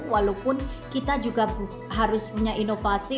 walaupun kita juga harus punya inovasi